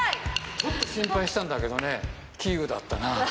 ちょっと心配したんだけどねき憂だったな。